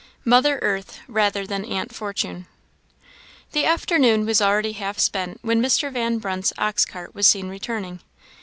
Mother earth rather than aunt Fortune. The afternoon was already half spent when Mr. Van Brunt's ox cart was seen returning.